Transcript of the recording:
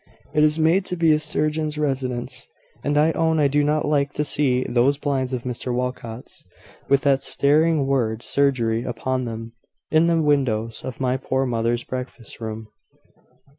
It is made to be a surgeon's residence: and I own I do not like to see those blinds of Mr Walcot's, with that staring word `Surgery,' upon them, in the windows of my poor mother's breakfast room."